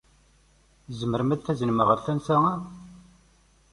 Tzemrem ad t-taznem ɣer tansa-a?